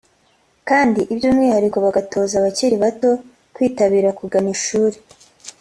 kandi by’umwihariko bagatoza abakiri bato kwitabira kugana ishuri